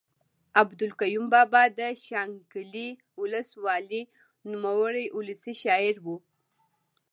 عبدالقیوم بابا د شانګلې اولس والۍ نوموړے اولسي شاعر ؤ